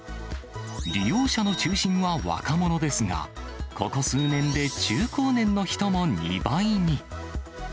利用者の中心は若者ですが、ここ数年で中高年の人も２倍に。